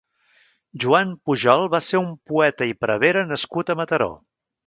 Joan Pujol va ser un poeta i prevere nascut a Mataró.